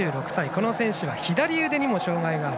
この選手は左腕にも障がいがある。